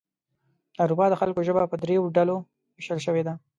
د اروپا د خلکو ژبه په دریو ډلو ویشل شوې ده.